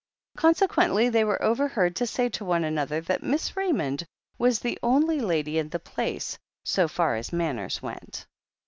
Consequently they were overheard to say to one an other that Miss Ra3miond was the only lady in the place, so far as manners went.